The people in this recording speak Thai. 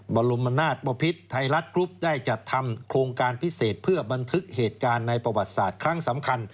บรมนาศปภิษไทยรัฐกรุ๊ปได้จัดทำโครงการพิเศษเพื่อบันทึกเหตุการณ์ในประวัติศาสตร์ครั้งสำคัญ